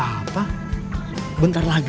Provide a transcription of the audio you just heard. saya akan beri kamu satu hari lagi